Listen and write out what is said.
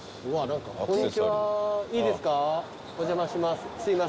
お邪魔します